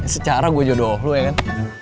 secara gue jodoh lu ya kan